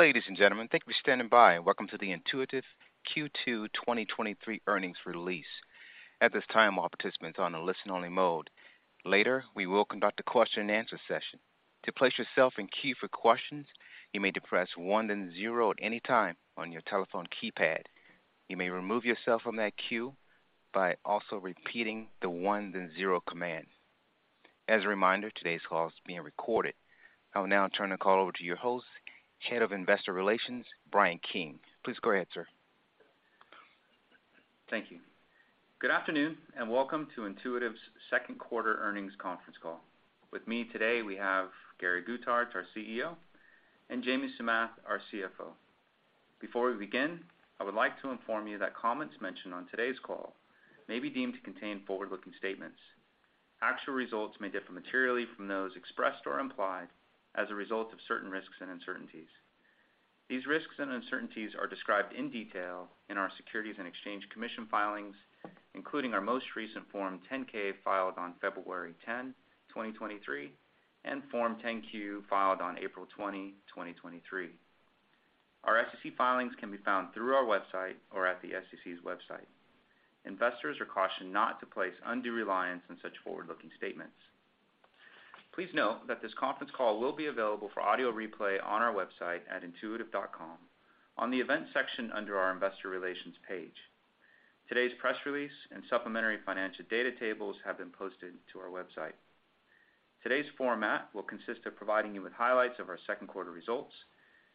Ladies and gentlemen, thank you for standing by, and welcome to the Intuitive Q2 2023 earnings release. At this time, all participants on the listen-only mode. Later, we will conduct a Q&A session. To place yourself in queue for questions, you may then press one and zero anytime on your telephone keypad. You may removed yourself on that queue by also repeating the one and zero command. As a reminder today's call is being recorded. I will now turn the call over to your host, Head of Investor Relations, Brian King. Please go ahead, sir. Thank you. Good afternoon, and welcome to Intuitive's second quarter earnings conference call. With me today, we have Gary Guthart, our CEO, and Jamie Samath, our CFO. Before we begin, I would like to inform you that comments mentioned on today's call may be deemed to contain forward-looking statements. Actual results may differ materially from those expressed or implied as a result of certain risks and uncertainties. These risks and uncertainties are described in detail in our Securities and Exchange Commission filings, including our most recent Form 10-K, filed on February 10, 2023, and Form 10-Q, filed on April 20, 2023. Our SEC filings can be found through our website or at the SEC's website. Investors are cautioned not to place undue reliance on such forward-looking statements. Please note that this conference call will be available for audio replay on our website at intuitive.com on the Events section under our Investor Relations page. Today's press release and supplementary financial data tables have been posted to our website. Today's format will consist of providing you with highlights of our second quarter results,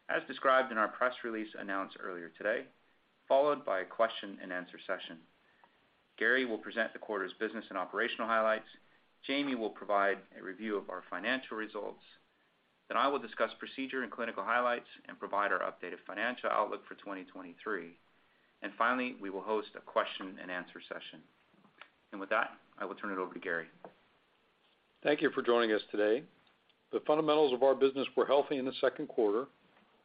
as described in our press release announced earlier today, followed by a question-and-answer session. Gary will present the quarter's business and operational highlights. Jamie will provide a review of our financial results. Then I will discuss procedure and clinical highlights and provide our updated financial outlook for 2023. Finally, we will host a question-and-answer session. With that, I will turn it over to Gary. Thank you for joining us today. The fundamentals of our business were healthy in the second quarter,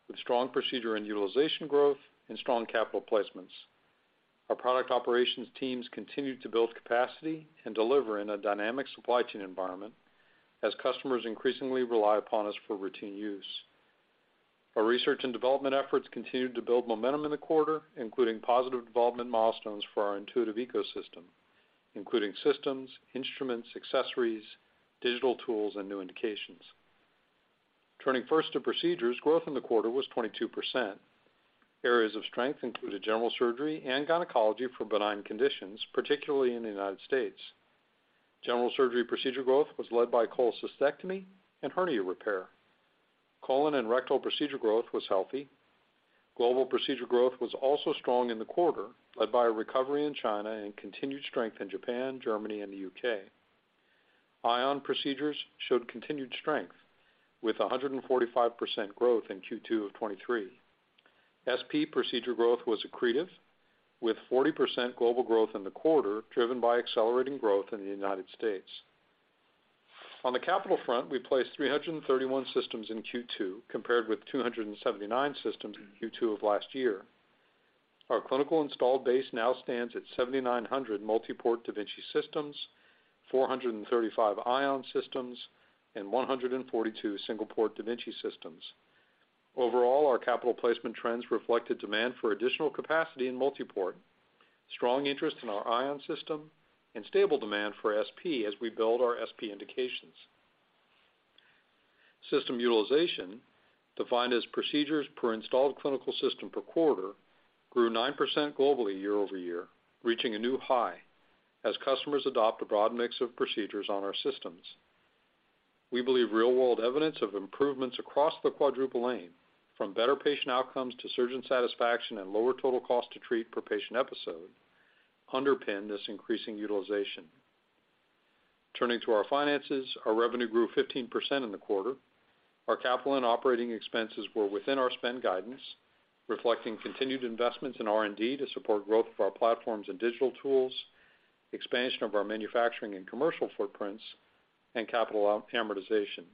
with strong procedure and utilization growth and strong capital placements. Our product operations teams continued to build capacity and deliver in a dynamic supply chain environment as customers increasingly rely upon us for routine use. Our research and development efforts continued to build momentum in the quarter, including positive development milestones for our Intuitive ecosystem, including systems, instruments, accessories, digital tools, and new indications. Turning first to procedures, growth in the quarter was 22%. Areas of strength included general surgery and gynecology for benign conditions, particularly in the United States. General surgery procedure growth was led by cholecystectomy and hernia repair. Colon and rectal procedure growth was healthy. Global procedure growth was also strong in the quarter, led by a recovery in China and continued strength in Japan, Germany, and the UK. Ion procedures showed continued strength, with 145% growth in Q2 of 2023. SP procedure growth was accretive, with 40% global growth in the quarter, driven by accelerating growth in the United States. On the capital front, we placed 331 systems in Q2, compared with 279 systems in Q2 of last year. Our clinical installed base now stands at 7,900 multi-port da Vinci systems, 435 Ion systems, and 142 single-port da Vinci systems. Overall, our capital placement trends reflected demand for additional capacity in multiport, strong interest in our Ion system, and stable demand for SP as we build our SP indications. System utilization, defined as procedures per installed clinical system per quarter, grew 9% globally year-over-year, reaching a new high as customers adopt a broad mix of procedures on our systems. We believe real-world evidence of improvements across the Quadruple Aim. From better patient outcomes to surgeon satisfaction and lower total cost to treat per patient episode, underpin this increasing utilization. Turning to our finances, our revenue grew 15% in the quarter. Our capital and operating expenses were within our spend guidance, reflecting continued investments in R&D to support growth of our platforms and digital tools, expansion of our manufacturing and commercial footprints, and capital amortization.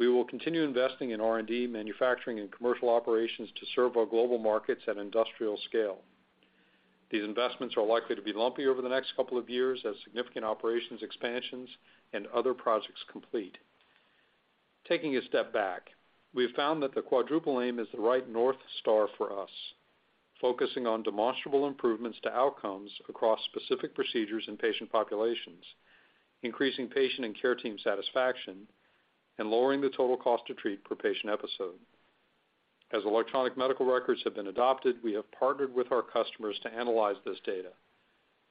We will continue investing in R&D, manufacturing, and commercial operations to serve our global markets at industrial scale. These investments are likely to be lumpy over the next couple of years as significant operations expansions and other projects complete. Taking a step back, we have found that the Quadruple Aim is the right North Star for us. Focusing on demonstrable improvements to outcomes across specific procedures and patient populations, increasing patient and care team satisfaction, and lowering the total cost to treat per patient episode. As electronic medical records have been adopted, we have partnered with our customers to analyze this data.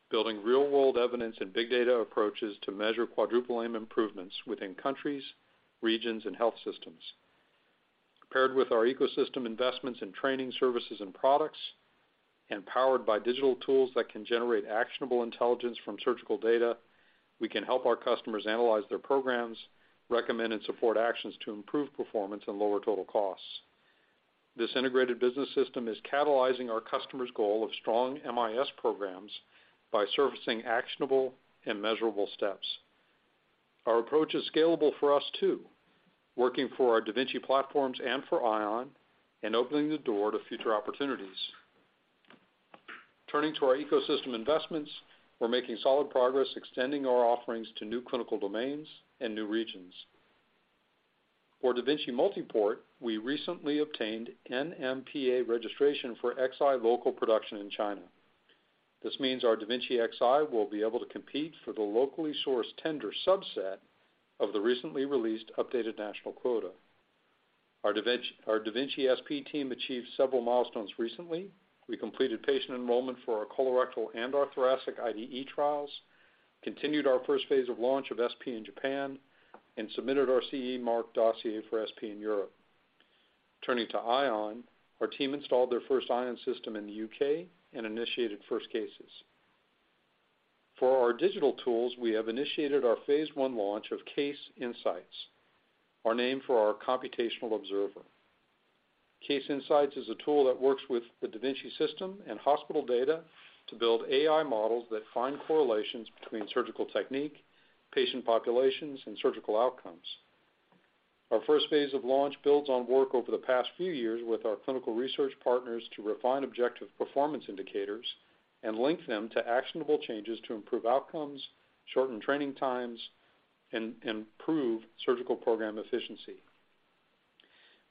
Building real-world evidence and big data approaches to measure Quadruple Aim improvements within countries, regions, and health systems. Paired with our ecosystem investments in training, services, and products, and powered by digital tools that can generate actionable intelligence from surgical data, we can help our customers analyze their programs, recommend and support actions to improve performance and lower total costs. This integrated business system is catalyzing our customers' goal of strong MIS programs by surfacing actionable and measurable steps. Our approach is scalable for us, too. Working for our da Vinci platforms and for Ion and opening the door to future opportunities. Turning to our ecosystem investments, we're making solid progress extending our offerings to new clinical domains and new regions. For da Vinci multi-port, we recently obtained NMPA registration for Xi local production in China. This means our da Vinci Xi will be able to compete for the locally sourced tender subset of the recently released updated national quota. Our da Vinci SP team achieved several milestones recently. We completed patient enrollment for our colorectal and our thoracic IDE trials, continued our phase I of launch of SP in Japan, and submitted our CE Mark dossier for SP in Europe. Turning to Ion, our team installed their first Ion system in the UK and initiated first cases. For our digital tools, we have initiated our phase I launch of Case Insights, our name for our computational observer. Case Insights is a tool that works with the da Vinci system and hospital data to build AI models that find correlations between surgical technique, patient populations, and surgical outcomes. Our phase I of launch builds on work over the past few years with our clinical research partners to refine objective performance indicators and link them to actionable changes to improve outcomes, shorten training times, and improve surgical program efficiency.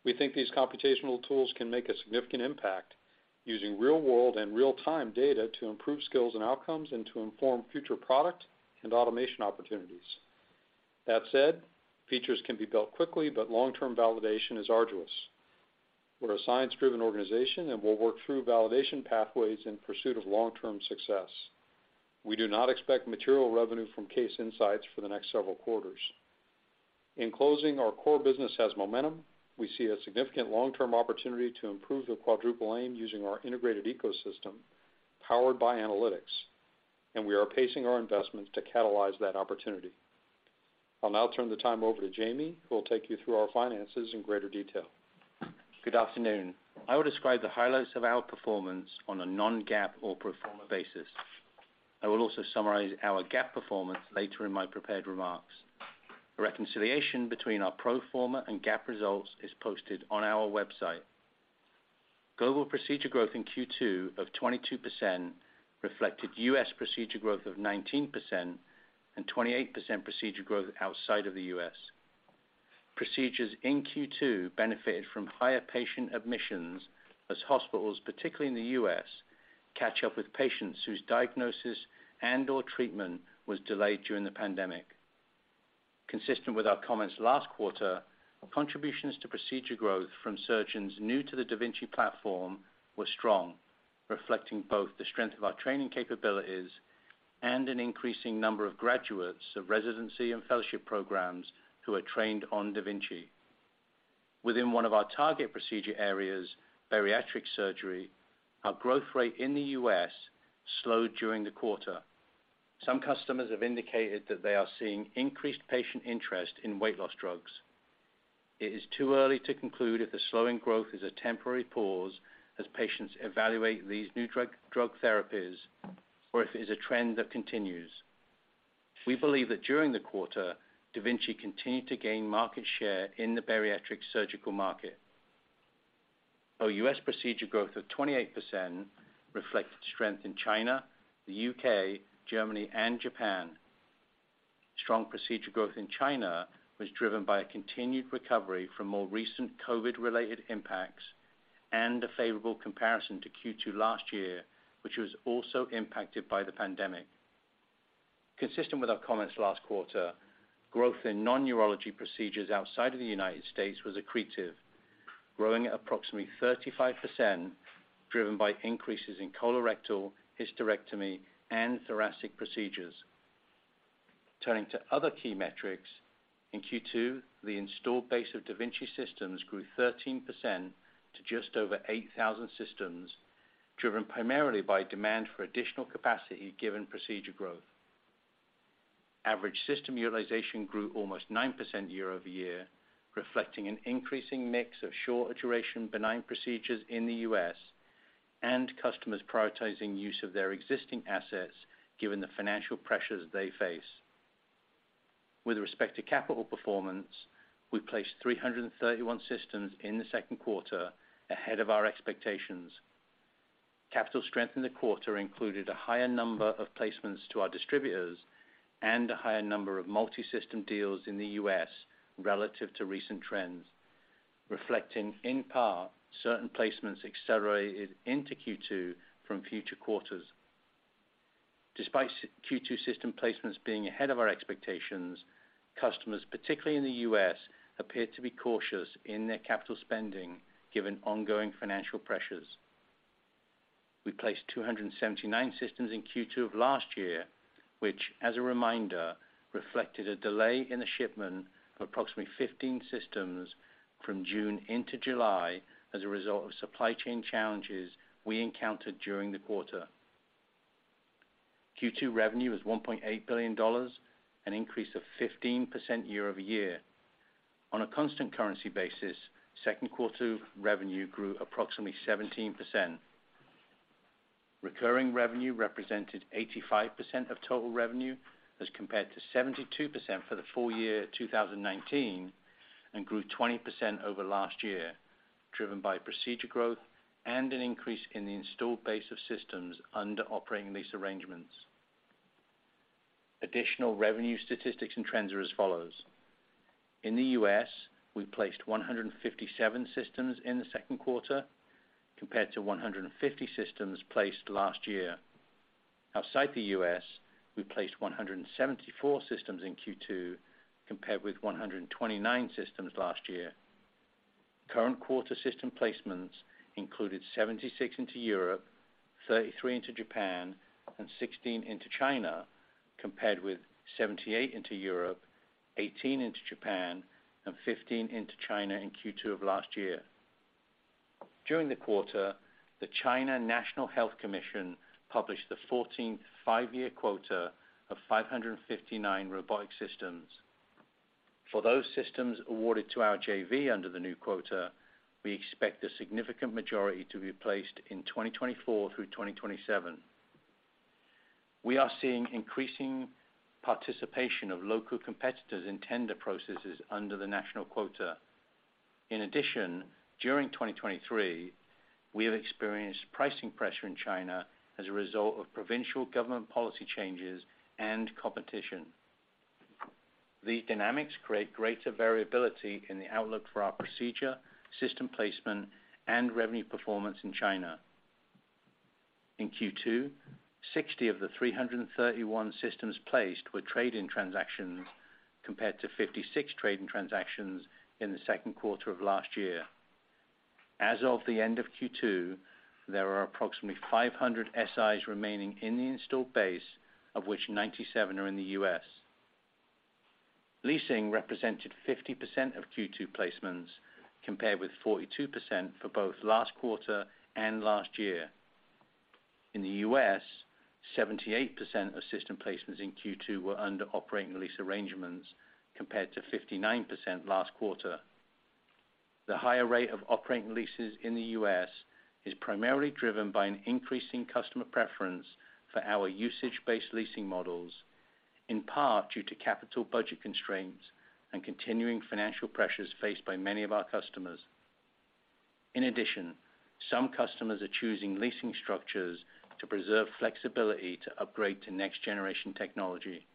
We think these computational tools can make a significant impact using real-world and real-time data to improve skills and outcomes, and to inform future product and automation opportunities. That said, features can be built quickly, but long-term validation is arduous. We're a science-driven organization. We'll work through validation pathways in pursuit of long-term success. We do not expect material revenue from Case Insights for the next several quarters. In closing, our core business has momentum. We see a significant long-term opportunity to improve the Quadruple Aim using our integrated ecosystem, powered by analytics, and we are pacing our investment to catalyze that opportunity. I'll now turn the time over to Jamie, who will take you through our finances in greater detail. Good afternoon. I will describe the highlights of our performance on a non-GAAP or pro forma basis. I will also summarize our GAAP performance later in my prepared remarks. A reconciliation between our pro forma and GAAP results is posted on our website. Global procedure growth in Q2 of 22% reflected US procedure growth of 19% and 28% procedure growth outside of the US. Procedures in Q2 benefited from higher patient admissions as hospitals, particularly in the US, catch up with patients whose diagnosis and/or treatment was delayed during the pandemic. Consistent with our comments last quarter, contributions to procedure growth from surgeons new to the da Vinci platform were strong. Reflecting both the strength of our training capabilities and an increasing number of graduates of residency and fellowship programs who are trained on da Vinci. Within one of our target procedure areas, bariatric surgery, our growth rate in the US slowed during the quarter. Some customers have indicated that they are seeing increased patient interest in weight loss drugs. It is too early to conclude if the slowing growth is a temporary pause as patients evaluate these new drug therapies, or if it is a trend that continues. We believe that during the quarter, da Vinci continued to gain market share in the bariatric surgical market. Our US procedure growth of 28% reflected strength in China, the UK, Germany and Japan. Strong procedure growth in China was driven by a continued recovery from more recent COVID-related impacts and a favorable comparison to Q2 last year, which was also impacted by the pandemic. Consistent with our comments last quarter, growth in non-urology procedures outside of the United States was accretive, growing at approximately 35%, driven by increases in colorectal, hysterectomy, and thoracic procedures. Turning to other key metrics, in Q2, the installed base of da Vinci systems grew 13% to just over 8,000 systems, driven primarily by demand for additional capacity, given procedure growth. Average system utilization grew almost 9% year-over-year, reflecting an increasing mix of shorter-duration, benign procedures in the US and customers prioritizing use of their existing assets, given the financial pressures they face. With respect to capital performance, we placed 331 systems in the second quarter, ahead of our expectations. Capital strength in the quarter included a higher number of placements to our distributors and a higher number of multi-system deals in the US. Relative to recent trends, reflecting, in part, certain placements accelerated into Q2 from future quarters. Despite Q2 system placements being ahead of our expectations, customers, particularly in the US, appeared to be cautious in their capital spending, given ongoing financial pressures. We placed 279 systems in Q2 of last year, which, as a reminder, reflected a delay in the shipment of approximately 15 systems from June into July as a result of supply chain challenges we encountered during the quarter. Q2 revenue was $1.8 billion, an increase of 15% year-over-year. On a constant currency basis, second quarter revenue grew approximately 17%. Recurring revenue represented 85% of total revenue, as compared to 72% for the full year 2019, grew 20% over last year, driven by procedure growth and an increase in the installed base of systems under operating lease arrangements. Additional revenue statistics and trends are as follows: In the US, we placed 157 systems in the second quarter compared to 150 systems placed last year. Outside the US, we placed 174 systems in Q2, compared with 129 systems last year. Current quarter system placements included 76 into Europe, 33 into Japan, and 16 into China, compared with 78 into Europe, 18 into Japan, and 15 into China in Q2 of last year. During the quarter, the China National Health Commission published the 14th five-year quota of 559 robotic systems. For those systems awarded to our JV under the new quota, we expect a significant majority to be placed in 2024 through 2027. We are seeing increasing participation of local competitors in tender processes under the national quota. During 2023, we have experienced pricing pressure in China as a result of provincial government policy changes and competition. These dynamics create greater variability in the outlook for our procedure, system placement, and revenue performance in China. In Q2, 60 of the 331 systems placed were trade-in transactions, compared to 56 trade-in transactions in the second quarter of last year. As of the end of Q2, there are approximately 500 SIs remaining in the installed base, of which 97 are in the US. Leasing represented 50% of Q2 placements, compared with 42% for both last quarter and last year. In the US, 78% of system placements in Q2 were under operating lease arrangements, compared to 59% last quarter. The higher rate of operating leases in the US is primarily driven by an increasing customer preference for our usage-based leasing models, in part due to capital budget constraints and continuing financial pressures faced by many of our customers. In addition, some customers are choosing leasing structures to preserve flexibility to upgrade to next-generation technology.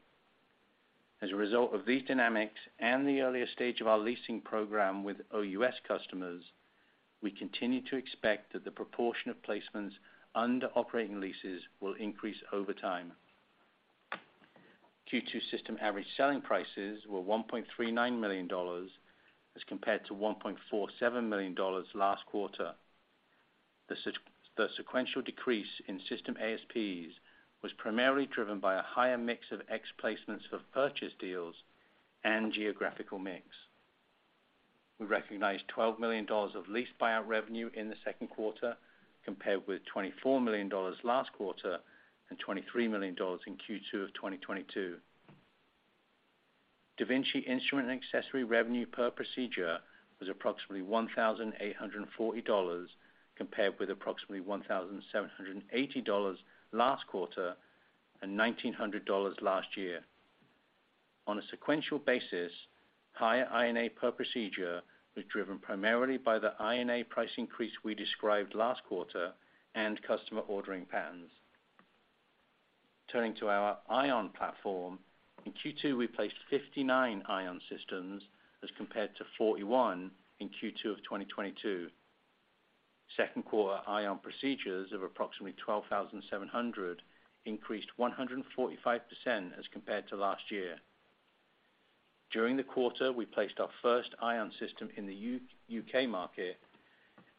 As a result of these dynamics and the earlier stage of our leasing program with OUS customers, we continue to expect that the proportion of placements under operating leases will increase over time. Q2 system average selling prices were $1.39 million, as compared to $1.47 million last quarter. The sequential decrease in system ASPs was primarily driven by a higher mix of ex-placements for purchase deals and geographical mix. We recognized $12 million of lease buyout revenue in the second quarter, compared with $24 million last quarter and $23 million in Q2 of 2022. da Vinci instrument and accessory revenue per procedure was approximately $1,840, compared with approximately $1,780 last quarter and $1,900 last year. On a sequential basis, higher I&A per procedure was driven primarily by the I&A price increase we described last quarter and customer ordering patterns. Turning to our Ion platform, in Q2, we placed 59 Ion systems as compared to 41 in Q2 of 2022. Second quarter Ion procedures of approximately 12,700 increased 145% as compared to last year. During the quarter, we placed our first Ion system in the UK market,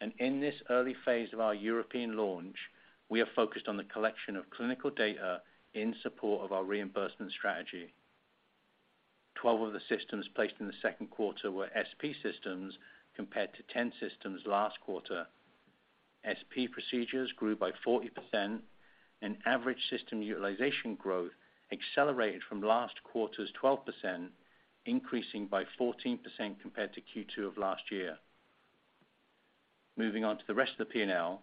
and in this early phase of our European launch, we are focused on the collection of clinical data in support of our reimbursement strategy. 12 of the systems placed in the second quarter were SP systems, compared to 10 systems last quarter. SP procedures grew by 40%, and average system utilization growth accelerated from last quarter's 12%, increasing by 14% compared to Q2 of last year. Moving on to the rest of the P&L. Pro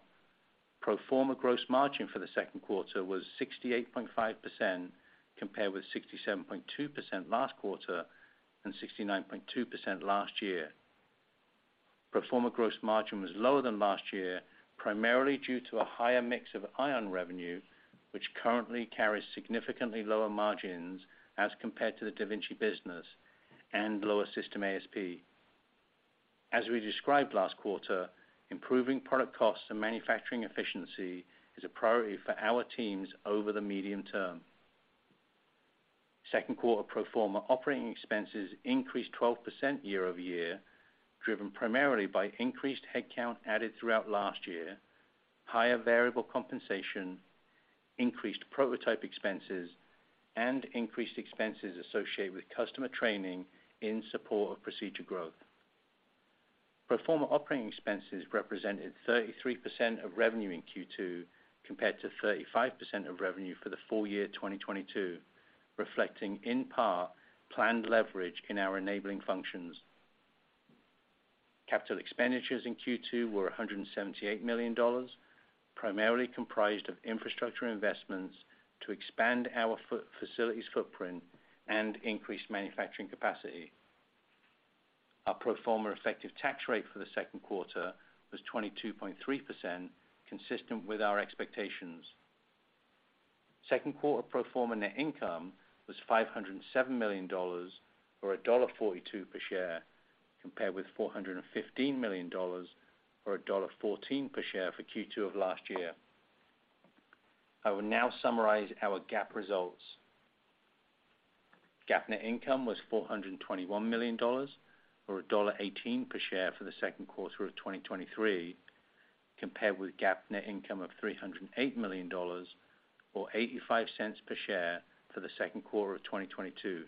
forma gross margin for the second quarter was 68.5%, compared with 67.2% last quarter and 69.2% last year. Pro forma gross margin was lower than last year, primarily due to a higher mix of Ion revenue, which currently carries significantly lower margins as compared to the da Vinci business and lower system ASP. As we described last quarter, improving product costs and manufacturing efficiency is a priority for our teams over the medium term. Second quarter pro forma operating expenses increased 12% year-over-year, driven primarily by increased headcount added throughout last year, higher variable compensation, increased prototype expenses, and increased expenses associated with customer training in support of procedure growth. Pro forma operating expenses represented 33% of revenue in Q2, compared to 35% of revenue for the full year 2022, reflecting in part planned leverage in our enabling functions. Capital expenditures in Q2 were $178 million, primarily comprised of infrastructure investments to expand our facilities footprint and increase manufacturing capacity. Our pro forma effective tax rate for the second quarter was 22.3%, consistent with our expectations. Second quarter pro forma net income was $507 million, or $1.42 per share, compared with $415 million, or $1.14 per share for Q2 of last year. I will now summarize our GAAP results. GAAP net income was $421 million, or $1.18 per share for the second quarter of 2023, compared with GAAP net income of $308 million, or $0.85 per share for the second quarter of 2022.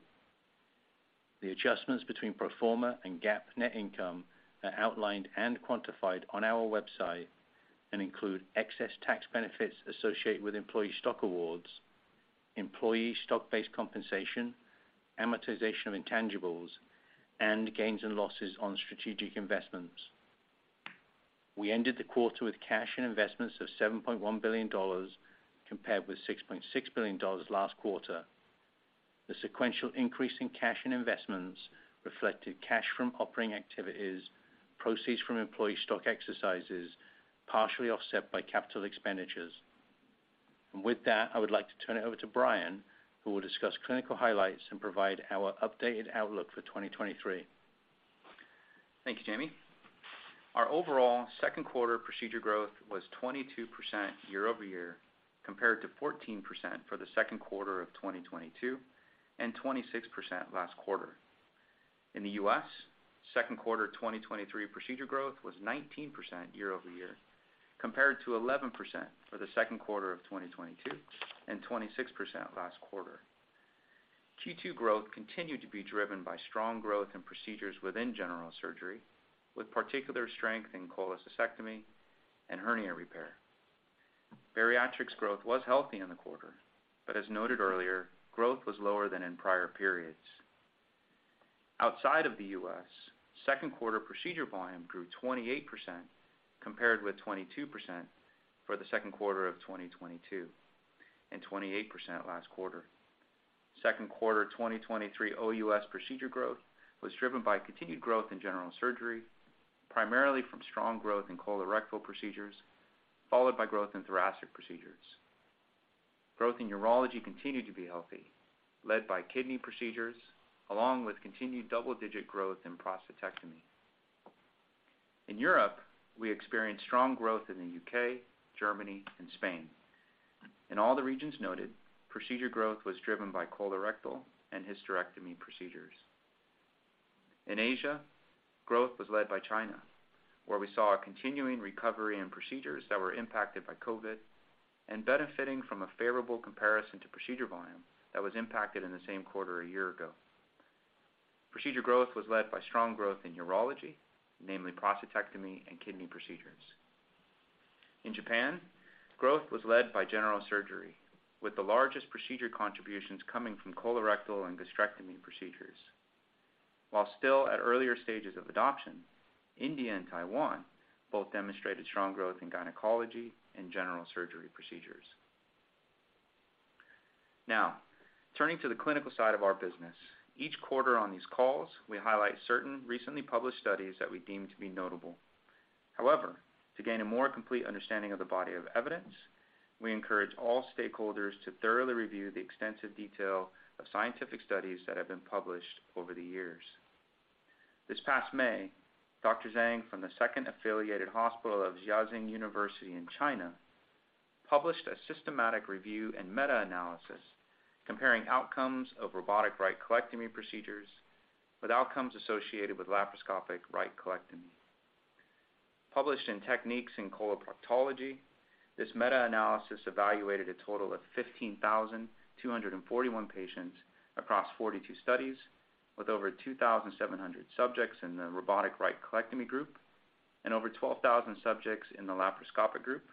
The adjustments between pro forma and GAAP net income are outlined and quantified on our website and include excess tax benefits associated with employee stock awards, employee stock-based compensation, amortization of intangibles, and gains and losses on strategic investments. We ended the quarter with cash and investments of $7.1 billion, compared with $6.6 billion last quarter. The sequential increase in cash and investments reflected cash from operating activities, proceeds from employee stock exercises, partially offset by capital expenditures. With that, I would like to turn it over to Brian, who will discuss clinical highlights and provide our updated outlook for 2023. Thank you, Jamie. Our overall second quarter procedure growth was 22% year-over-year, compared to 14% for the second quarter of 2022, and 26% last quarter. In the US, second quarter 2023 procedure growth was 19% year-over-year, compared to 11% for the second quarter of 2022, and 26% last quarter. Q2 growth continued to be driven by strong growth in procedures within general surgery, with particular strength in cholecystectomy and hernia repair. Bariatrics growth was healthy in the quarter, but as noted earlier, growth was lower than in prior periods. Outside of the US, second quarter procedure volume grew 28%, compared with 22% for the second quarter of 2022, and 28% last quarter. Second quarter 2023 OUS procedure growth was driven by continued growth in general surgery, primarily from strong growth in colorectal procedures, followed by growth in thoracic procedures. Growth in urology continued to be healthy, led by kidney procedures, along with continued double-digit growth in prostatectomy. In Europe, we experienced strong growth in the UK, Germany, and Spain. In all the regions noted, procedure growth was driven by colorectal and hysterectomy procedures. In Asia, growth was led by China, where we saw a continuing recovery in procedures that were impacted by COVID and benefiting from a favorable comparison to procedure volume that was impacted in the same quarter a year ago. Procedure growth was led by strong growth in urology, namely prostatectomy and kidney procedures. In Japan, growth was led by general surgery, with the largest procedure contributions coming from colorectal and gastrectomy procedures. While still at earlier stages of adoption, India and Taiwan both demonstrated strong growth in gynecology and general surgery procedures. Turning to the clinical side of our business. Each quarter on these calls, we highlight certain recently published studies that we deem to be notable. However, to gain a more complete understanding of the body of evidence, we encourage all stakeholders to thoroughly review the extensive detail of scientific studies that have been published over the years. This past May, Dr. Zhang from the second affiliated hospital of Jiaxing University in China, published a systematic review and meta-analysis comparing outcomes of robotic right colectomy procedures with outcomes associated with laparoscopic right colectomy. Published in Techniques in Coloproctology, this meta-analysis evaluated a total of 15,241 patients across 42 studies, with over 2,700 subjects in the robotic right colectomy group and over 12,000 subjects in the laparoscopic group,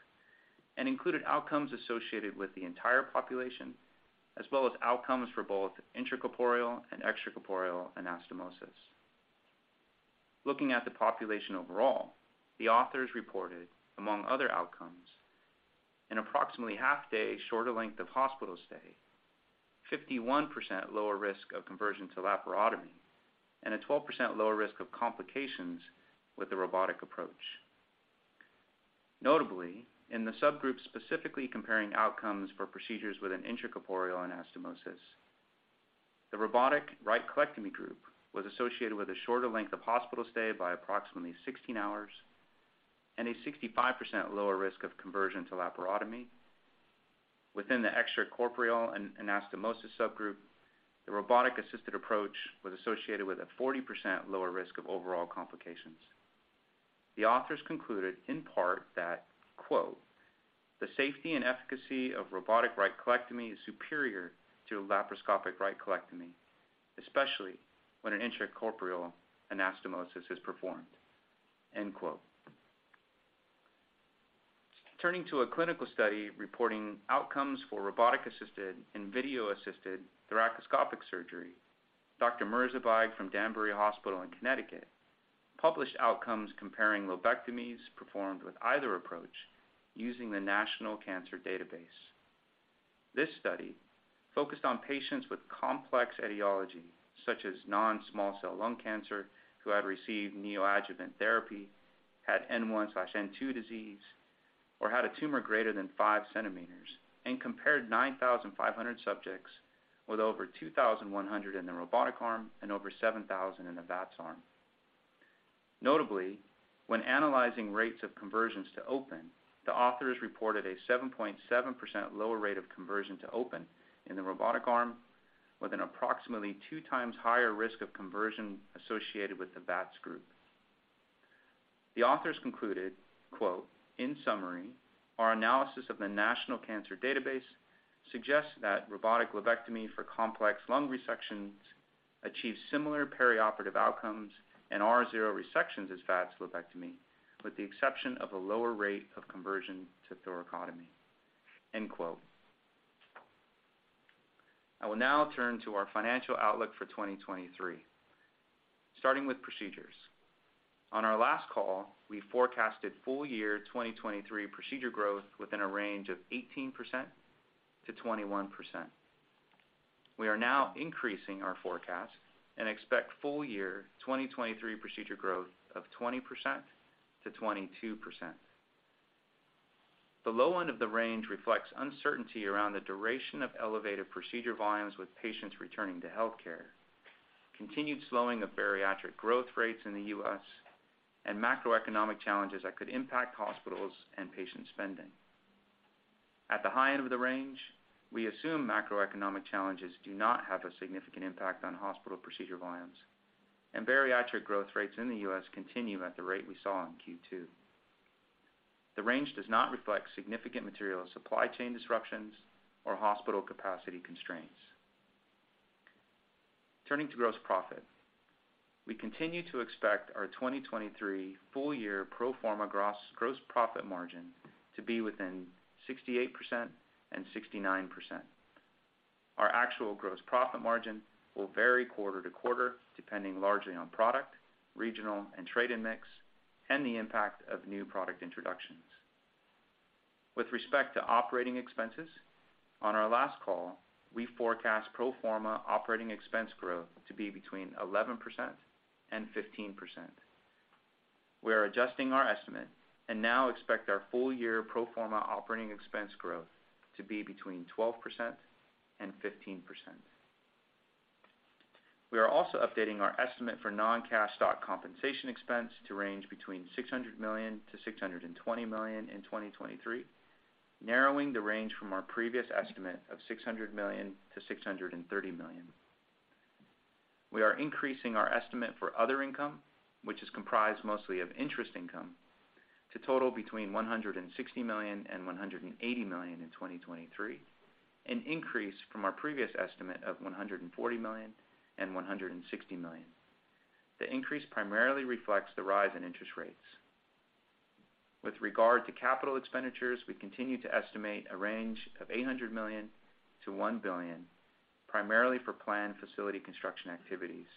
and included outcomes associated with the entire population, as well as outcomes for both intracorporeal and extracorporeal anastomosis. Looking at the population overall, the authors reported, among other outcomes, an approximately half day shorter length of hospital stay, 51% lower risk of conversion to laparotomy, and a 12% lower risk of complications with the robotic approach. Notably, in the subgroups specifically comparing outcomes for procedures with an intracorporeal anastomosis, the robotic right colectomy group was associated with a shorter length of hospital stay by approximately 16 hours and a 65% lower risk of conversion to laparotomy. Within the extracorporeal anastomosis subgroup, the robotic-assisted approach was associated with a 40% lower risk of overall complications. The authors concluded, in part, that, quote, "The safety and efficacy of robotic right colectomy is superior to laparoscopic right colectomy, especially when an intracorporeal anastomosis is performed." End quote. Turning to a clinical study reporting outcomes for robotic-assisted and video-assisted thoracoscopic surgery, Dr. Mirza Baig from Danbury Hospital in Connecticut published outcomes comparing lobectomies performed with either approach using the National Cancer Database. This study focused on patients with complex etiology, such as non-small cell lung cancer, who had received neoadjuvant therapy, had N1/N2 disease, or had a tumor greater than 5cm, and compared 9,500 subjects with over 2,100 in the robotic arm and over 7,000 in the VATS arm. Notably, when analyzing rates of conversions to open, the authors reported a 7.7% lower rate of conversion to open in the robotic arm, with an approximately 2x higher risk of conversion associated with the VATS group. The authors concluded, quote, "In summary, our analysis of the National Cancer Database suggests that robotic lobectomy for complex lung resections achieve similar perioperative outcomes and R0 resections as VATS lobectomy, with the exception of a lower rate of conversion to thoracotomy," end quote. I will now turn to our financial outlook for 2023, starting with procedures. On our last call, we forecasted full year 2023 procedure growth within a range of 18%-21%. We are now increasing our forecast and expect full year 2023 procedure growth of 20%-22%. The low end of the range reflects uncertainty around the duration of elevated procedure volumes with patients returning to healthcare, continued slowing of bariatric growth rates in the US, and macroeconomic challenges that could impact hospitals and patient spending. At the high end of the range, we assume macroeconomic challenges do not have a significant impact on hospital procedure volumes, and bariatric growth rates in the US continue at the rate we saw in Q2. The range does not reflect significant material supply chain disruptions or hospital capacity constraints. Turning to gross profit. We continue to expect our 2023 full year pro forma gross profit margin to be between 68% and 69%. Our actual gross profit margin will vary quarter to quarter, depending largely on product, regional and trade in mix, and the impact of new product introductions. With respect to operating expenses, on our last call, we forecast pro forma operating expense growth to be between 11% and 15%. We are adjusting our estimate and now expect our full year pro forma operating expense growth to be between 12% and 15%. We are also updating our estimate for non-cash stock compensation expense to range between $600 million to $620 million in 2023, narrowing the range from our previous estimate of $600 million to $630 million. We are increasing our estimate for other income, which is comprised mostly of interest income, to total between $160 million and $180 million in 2023, an increase from our previous estimate of $140 million and $160 million. The increase primarily reflects the rise in interest rates. With regard to CapEx, we continue to estimate a range of $800 million to $1 billion, primarily for planned facility construction activities.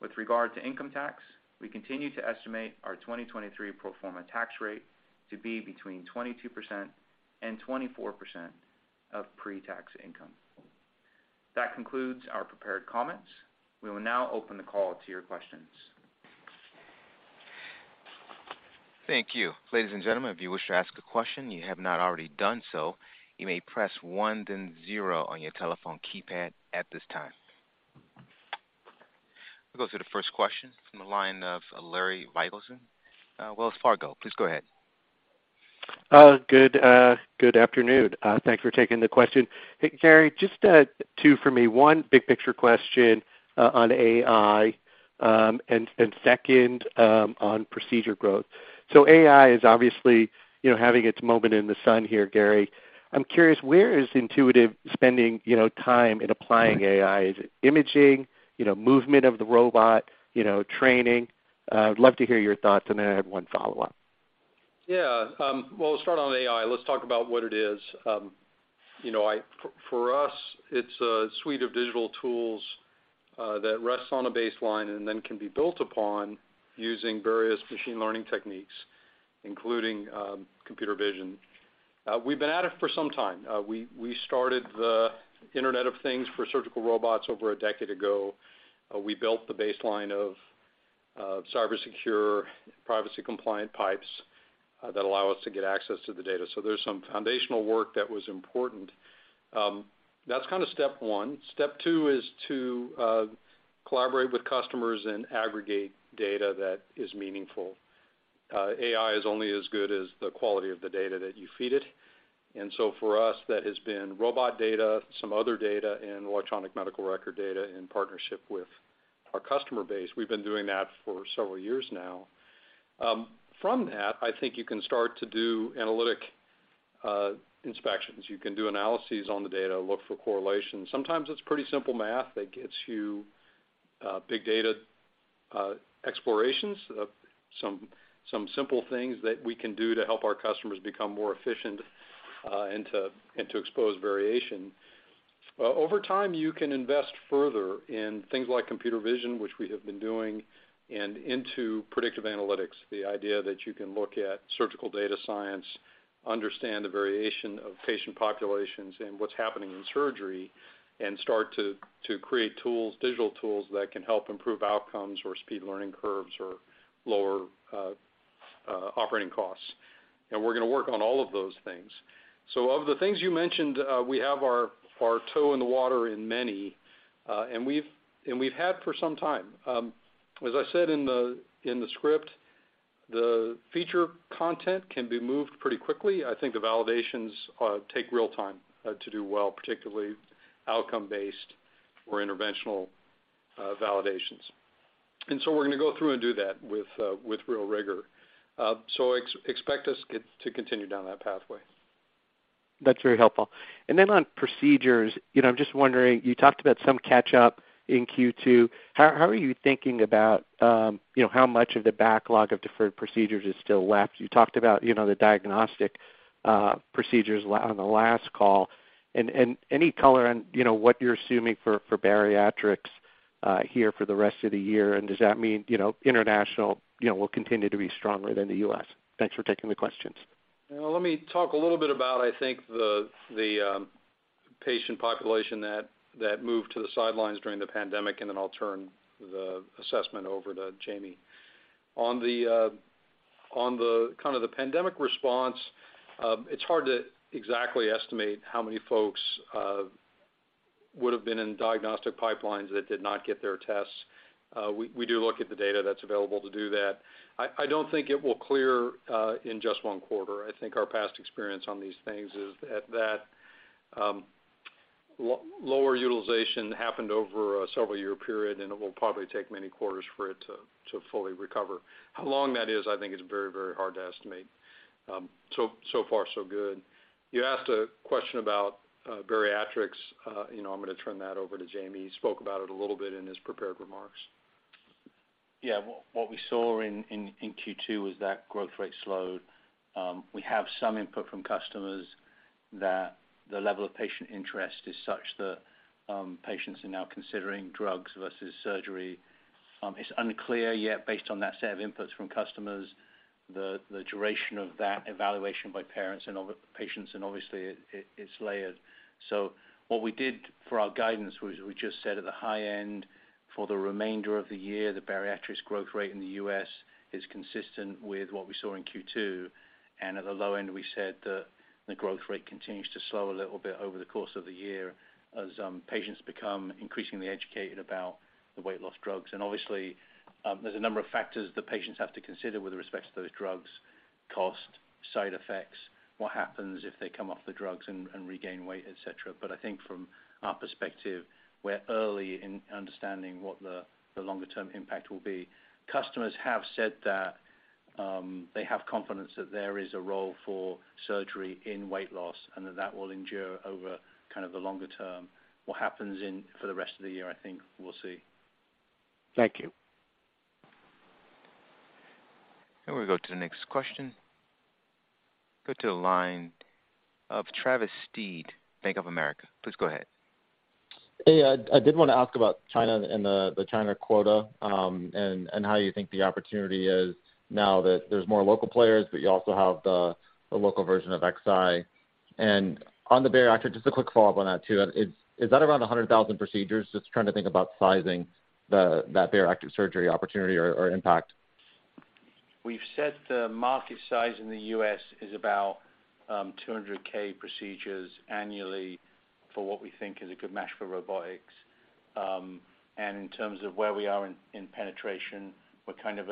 With regard to income tax, we continue to estimate our 2023 pro forma tax rate to be between 22% and 24% of pre-tax income. That concludes our prepared comments. We will now open the call to your questions. Thank you. Ladies and gentlemen, if you wish to ask a question, and you have not already done so, you may press one, then zero on your telephone keypad at this time. We'll go to the first question from the line of Larry Biegelsen, Wells Fargo. Please go ahead. Good afternoon. Thanks for taking the question. Hey, Gary, just two for me. One big picture question on AI, and second on procedure growth. AI is obviously, you know, having its moment in the sun here, Gary. I'm curious, where is Intuitive spending, you know, time in applying AI? Is it imaging, you know, movement of the robot, you know, training? I'd love to hear your thoughts, and then I have one follow-up. Let's start on AI. Let's talk about what it is. You know, for us, it's a suite of digital tools that rests on a baseline and then can be built upon using various machine learning techniques, including computer vision. We've been at it for some time. We started the Internet of Things for surgical robots over a decade ago. We built the baseline of cybersecure, privacy-compliant pipes that allow us to get access to the data. There's some foundational work that was important. That's kind of step one. Step two is to collaborate with customers and aggregate data that is meaningful. `Uh, AI is only as good as the quality of the data that you feed it, and so for us, that has been robot data, some other data, and electronic medical record data in partnership with our customer base. We've been doing that for several years now. Um, from that, I think you can start to do analytic, uh, inspections. You can do analyses on the data, look for correlations. Sometimes it's pretty simple math that gets you, uh, big data, uh, explorations of some simple things that we can do to help our customers become more efficient, uh, and to, and to expose variation. Over time, you can invest further in things like computer vision, which we have been doing, and into predictive analytics, the idea that you can look at surgical data science, understand the variation of patient populations and what's happening in surgery, and start to create tools, digital tools that can help improve outcomes or speed learning curves or lower operating costs. We're going to work on all of those things. Of the things you mentioned, we have our toe in the water in many, and we've had for some time. As I said in the script, the feature content can be moved pretty quickly. I think the validations take real time to do well, particularly outcome-based or interventional validations. We're going to go through and do that with real rigor. Expect us to continue down that pathway. That's very helpful. Then on procedures, you know, I'm just wondering, you talked about some catch-up in Q2. How are you thinking about, you know, how much of the backlog of deferred procedures is still left? You talked about, you know, the diagnostic procedures on the last call. Any color on, you know, what you're assuming for bariatrics here for the rest of the year, and does that mean, you know, international, you know, will continue to be stronger than the US? Thanks for taking the questions. Let me talk a little bit about, I think, the patient population that moved to the sidelines during the pandemic, and then I'll turn the assessment over to Jamie. On the kind of the pandemic response, it's hard to exactly estimate how many folks would have been in diagnostic pipelines that did not get their tests. We do look at the data that's available to do that. I don't think it will clear in just one quarter. I think our past experience on these things is that lower utilization happened over a several-year period, and it will probably take many quarters for it to fully recover. How long that is, I think, is very hard to estimate. So far, so good. You asked a question about bariatrics. You know, I'm going to turn that over to Jamie. He spoke about it a little bit in his prepared remarks. Yeah. What we saw in Q2 was that growth rate slowed. We have some input from customers that the level of patient interest is such that patients are now considering drugs versus surgery. It's unclear yet, based on that set of inputs from customers, the duration of that evaluation by parents and all the patients, and obviously, it's layered. What we did for our guidance was we just said at the high end, for the remainder of the year, the bariatrics growth rate in the US is consistent with what we saw in Q2. At the low end, we said that the growth rate continues to slow a little bit over the course of the year as patients become increasingly educated about the weight loss drugs. Obviously, there's a number of factors that patients have to consider with respect to those drugs: cost, side effects, what happens if they come off the drugs and regain weight, et cetera. I think from our perspective, we're early in understanding what the longer-term impact will be. Customers have said that they have confidence that there is a role for surgery in weight loss, and that that will endure over kind of the longer term. What happens for the rest of the year, I think we'll see. Thank you. We go to the next question. Go to the line of Travis Steed, Bank of America. Please go ahead. Hey, I did want to ask about China and the China quota, and how you think the opportunity is now that there's more local players, but you also have the local version of Xi? On the bariatric, just a quick follow-up on that, too. Is that around 100,000 procedures? Just trying to think about sizing that bariatric surgery opportunity or impact. We've said the market size in the US is about, 200K procedures annually for what we think is a good match for robotics. In terms of where we are in penetration, we're kind of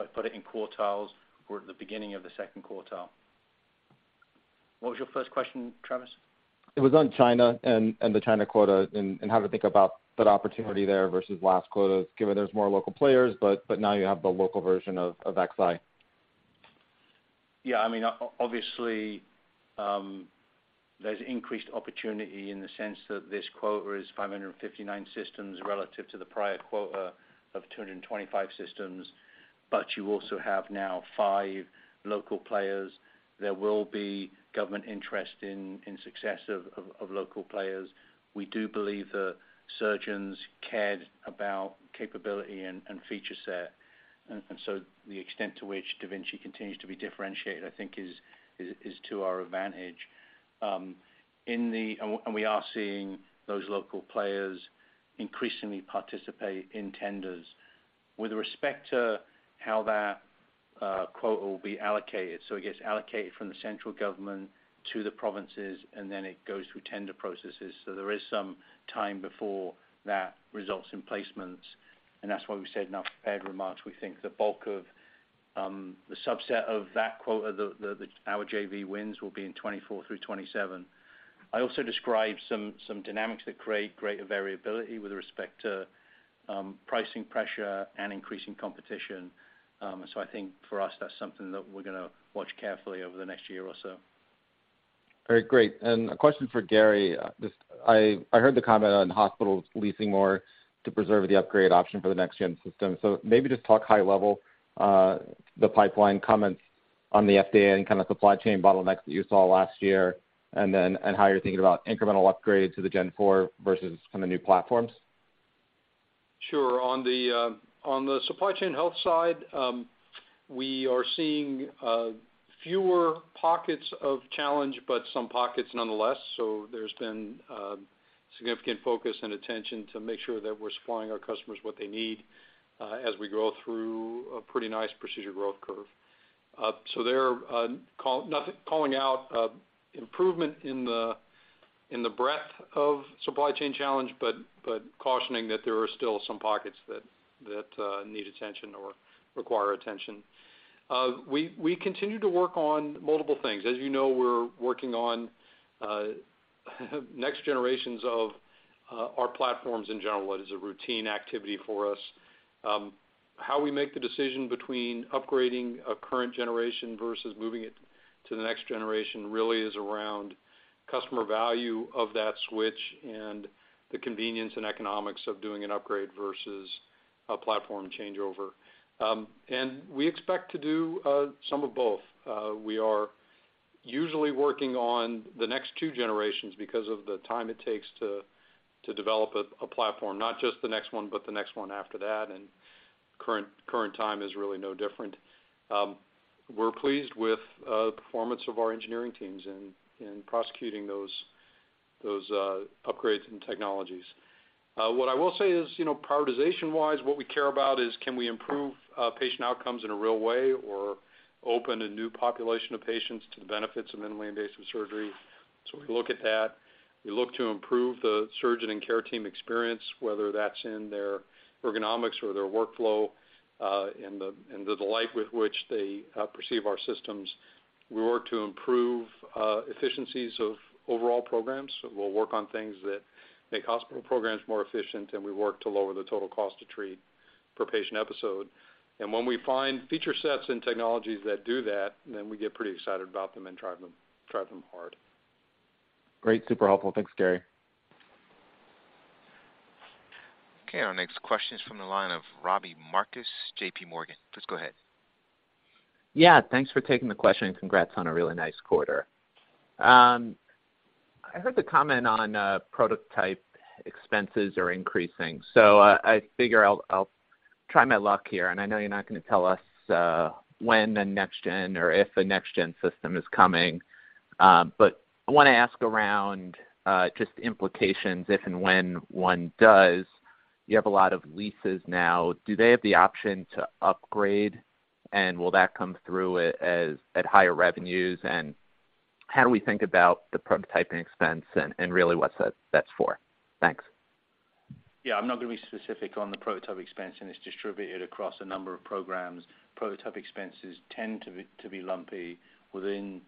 if I put it in quartiles, we're at the beginning of the second quartile. What was your first question, Travis? It was on China and the China quota, and how to think about that opportunity there versus last quota, given there's more local players, but now you have the local version of Xi. I mean, obviously, there's increased opportunity in the sense that this quota is 559 systems relative to the prior quota of 225 systems, but you also have now five local players. There will be government interest in success of local players. We do believe that surgeons cared about capability and feature set, and so the extent to which da Vinci continues to be differentiated, I think, is to our advantage. We are seeing those local players increasingly participate in tenders. With respect to how that quota will be allocated, it gets allocated from the central government to the provinces, and then it goes through tender processes. There is some time before that results in placements, and that's why we said in our prepared remarks, we think the bulk of the subset of that quota, our JV wins will be in 2024 through 2027. I also described some dynamics that create greater variability with respect to pricing pressure and increasing competition. I think for us, that's something that we're going to watch carefully over the next year or so. Very great. A question for Gary. I heard the comment on hospitals leasing more to preserve the upgrade option for the next-gen system. Maybe just talk high level, the pipeline comments on the FDA and kind of supply chain bottlenecks that you saw last year, and then and how you're thinking about incremental upgrades to the Gen 4 versus kind of new platforms? Sure. On the on the supply chain health side, we are seeing fewer pockets of challenge, but some pockets nonetheless. There's been significant focus and attention to make sure that we're supplying our customers what they need as we grow through a pretty nice procedure growth curve. Calling out improvement in the breadth of supply chain challenge, but cautioning that there are still some pockets that need attention or require attention. We continue to work on multiple things. As you know, we're working on next generations of our platforms in general. That is a routine activity for us. How we make the decision between upgrading a current generation versus moving it to the next generation really is around customer value of that switch and the convenience and economics of doing an upgrade versus a platform changeover. We expect to do some of both. We are usually working on the next two generations because of the time it takes to develop a platform, not just the next one, but the next one after that, and current time is really no different. We're pleased with the performance of our engineering teams in prosecuting those upgrades in technologies. What I will say is, you know, prioritization-wise, what we care about is, can we improve patient outcomes in a real way, or open a new population of patients to the benefits of minimally invasive surgery? We look at that. We look to improve the surgeon and care team experience, whether that's in their ergonomics or their workflow, and the delight with which they perceive our systems. We work to improve efficiencies of overall programs. We'll work on things that make hospital programs more efficient, and we work to lower the total cost to treat per patient episode. When we find feature sets and technologies that do that, we get pretty excited about them and drive them hard. Great. Super helpful. Thanks, Gary. Okay, our next question is from the line of Robbie Marcus, JPMorgan. Please go ahead. Yeah, thanks for taking the question, and congrats on a really nice quarter. I heard the comment on prototype expenses are increasing, so I figure I'll try my luck here. I know you're not going to tell us when the next gen or if a next gen system is coming. But I want to ask around just implications if and when one does. You have a lot of leases now. Do they have the option to upgrade, and will that come through as at higher revenues? How do we think about the prototyping expense and really what's that for? Thanks. Yeah, I'm not going to be specific on the prototype expense. It's distributed across a number of programs. Prototype expenses tend to be lumpy within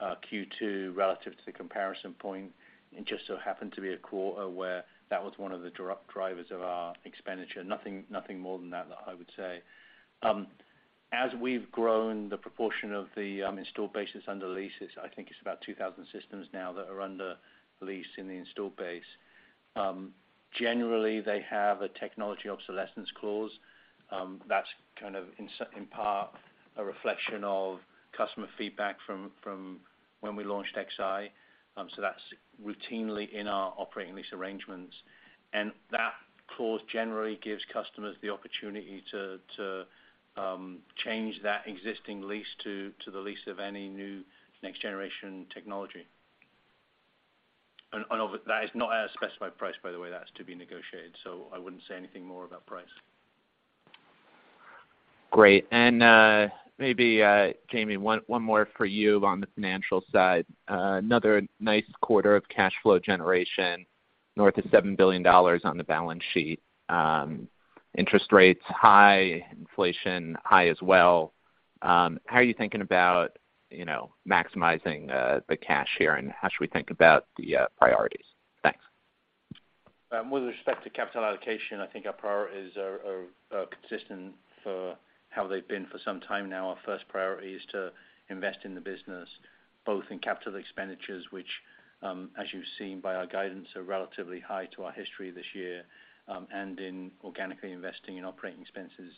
Q2 relative to the comparison point. It just so happened to be a quarter where that was one of the drivers of our expenditure. Nothing more than that I would say. As we've grown, the proportion of the installed base is under leases. I think it's about 2,000 systems now that are under lease in the installed base. Generally, they have a technology obsolescence clause, that's kind of in part, a reflection of customer feedback from when we launched Xi. That's routinely in our operating lease arrangements. That clause generally gives customers the opportunity to change that existing lease to the lease of any new next generation technology. That is not at a specified price, by the way. That's to be negotiated, so I wouldn't say anything more about price. Great. Maybe Jamie, one more for you on the financial side. Another nice quarter of cash flow generation, north of $7 billion on the balance sheet. Interest rates high, inflation high as well. How are you thinking about, you know, maximizing the cash here, and how should we think about the priorities? Thanks. With respect to capital allocation, I think our priorities are consistent for how they've been for some time now. Our first priority is to invest in the business, both in capital expenditures, which, as you've seen by our guidance, are relatively high to our history this year, and in organically investing in operating expenses.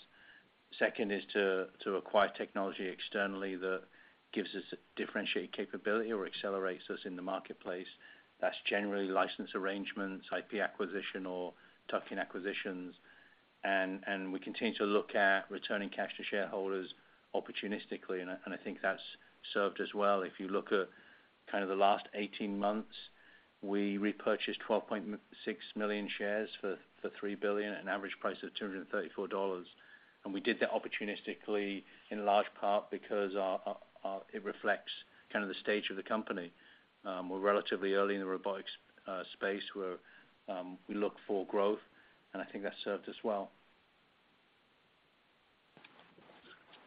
Second is to acquire technology externally that gives us a differentiated capability or accelerates us in the marketplace. That's generally license arrangements, IP acquisition, or tuck-in acquisitions. We continue to look at returning cash to shareholders opportunistically, and I think that's served us well. If you look at kind of the last 18 months, we repurchased 12.6 million shares for $3 billion at an average price of $234. We did that opportunistically, in large part because our, it reflects kind of the stage of the company. We're relatively early in the robotics, space, where, we look for growth, and I think that served us well.